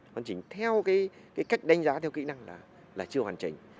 hoàn chỉnh theo cái cách đánh giá theo kỹ năng là chưa hoàn chỉnh